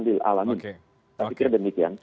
di alam saya pikir demikian oke